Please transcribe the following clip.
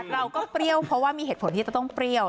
เปรี้ยวเพราะว่ามีเหตุผลที่จะต้องเปรี้ยว